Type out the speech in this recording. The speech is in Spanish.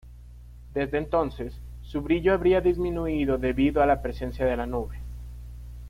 Desde entonces, su brillo habría disminuido debido a la presencia de la nube.